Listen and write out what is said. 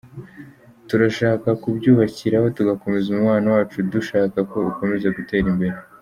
Turashaka kubyubakiraho tugakomeza umubano wacu dushaka ko ukomeza gutera imbere.